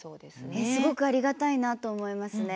すごくありがたいなと思いますね。